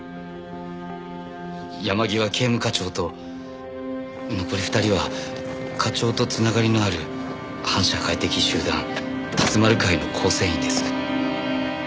山際警務課長と残り２人は課長と繋がりのある反社会的集団竜丸会の構成員です。